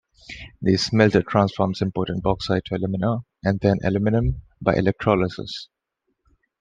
The smelter transforms imported bauxite to alumina, and then to aluminum, by electrolysis.